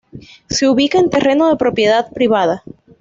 Se ubica en terreno de propiedad privada.